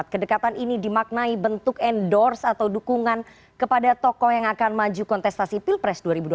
kedekatan ini dimaknai bentuk endorse atau dukungan kepada tokoh yang akan maju kontestasi pilpres dua ribu dua puluh